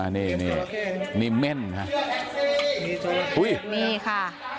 อันนี้นี่นี่เม่นค่ะ